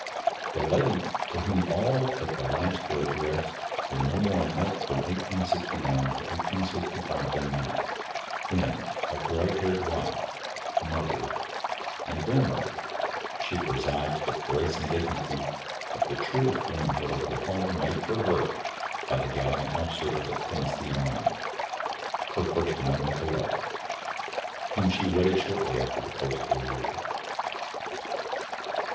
The lady to whom all but the last were addressed was no more a myth from 1861 to 1865 than now, when, a gray haired wife, mother, and grand mother, she presides with the grace and dignity of the truest womanhood over the home made for her by the gallant officer of the Tennessee Army, her first and only beloved, whom she wedded shortly after the close of the war.